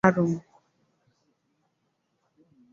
Kuwaondoa wanajeshi mia saba wa kikosi maalum